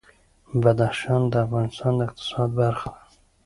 بدخشان د افغانستان د اقتصاد برخه ده.